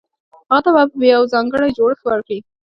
هغه ته به يو ځانګړی جوړښت ورکړي.